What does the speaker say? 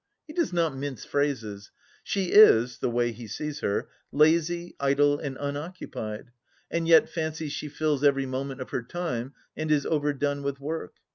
He does not mince phrases. She is — ^the way he sees her — lazy, idle, and unoccupied, and yet fancies she fills every moment of her time, and is overdone with work.